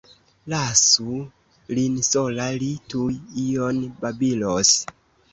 Lasu lin sola, li tuj ion babilos.